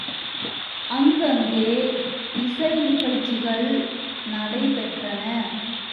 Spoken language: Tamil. அங்கங்கே இசை நிகழ்ச்சிகள் நடை பெற்றன.